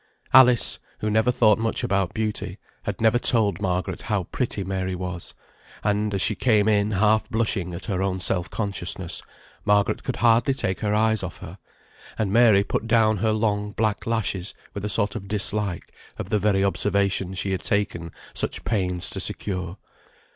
Alice, who never thought much about beauty, had never told Margaret how pretty Mary was; and, as she came in half blushing at her own self consciousness, Margaret could hardly take her eyes off her, and Mary put down her long black lashes with a sort of dislike of the very observation she had taken such pains to secure.